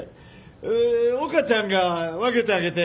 え岡ちゃんが分けてあげて。